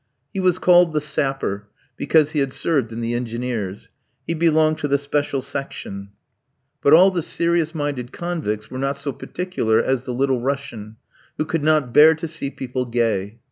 He was called the Sapper, because he had served in the Engineers. He belonged to the special section. But all the serious minded convicts were not so particular as the Little Russian, who could not bear to see people gay.